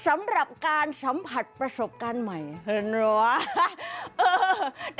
สำหรับการสัมผัสประสบการณ์ใหม่เหินเหรอ